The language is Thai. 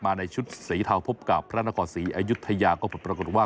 ในชุดสีเทาพบกับพระนครศรีอายุทยาก็ผลปรากฏว่า